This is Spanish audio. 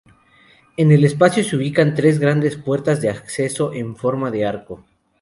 En el espacio se ubican tres grandes puertas de acceso en forma de arco.